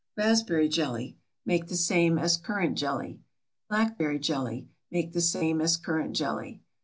RASPBERRY JELLY. Make the same as currant jelly. BLACKBERRY JELLY. Make the same as currant jelly.